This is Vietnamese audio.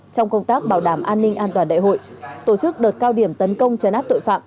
trong công tác bảo đảm an ninh an toàn đại hội tổ chức đợt cao điểm tấn công chấn áp tội phạm